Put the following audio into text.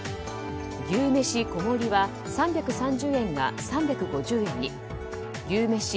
牛めし小盛は３３０円が３５０円に牛めし